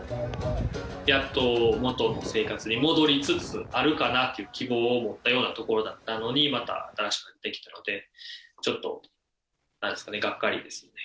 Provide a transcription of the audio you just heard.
やっと元の生活に戻りつつあるかなという希望を持ったようなところだったのに、また新しくできたので、ちょっとがっかりですよね。